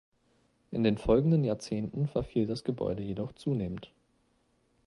In den folgenden Jahrzehnten verfiel das Gebäude jedoch zunehmend.